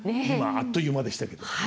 今あっという間でしたけど。